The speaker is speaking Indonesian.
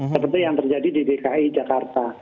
seperti yang terjadi di dki jakarta